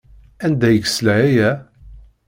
Anda ay yesla aya?